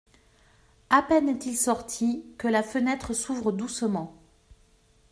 A peine est-il sorti que la fenêtre s’ouvre doucement.